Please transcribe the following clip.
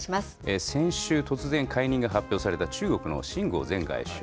先週、突然、解任が発表された、中国の秦剛前外相。